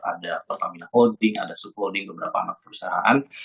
ada pertamina holding ada subholding beberapa anak perusahaan